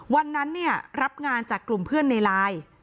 วันนั้นรับงานจากกลุ่มเพื่อนในลาย